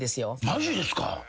マジですか？